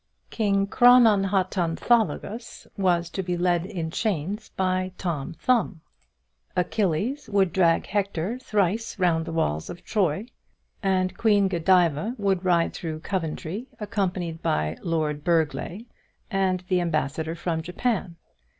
King Chrononhotonthologos was to be led in chains by Tom Thumb. Achilles would drag Hector thrice round the walls of Troy; and Queen Godiva would ride through Coventry, accompanied by Lord Burghley and the ambassador from Japan.